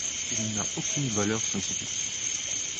Il n'a aucune valeur scientifique.